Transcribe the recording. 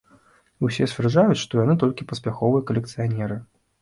Усе сцвярджаюць, што яны толькі паспяховыя калекцыянеры.